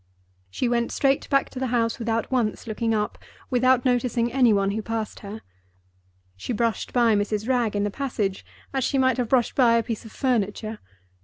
She went straight back to the house without once looking up, without noticing any one who passed her. She brushed by Mrs. Wragge in the passage as she might have brushed by a piece of furniture.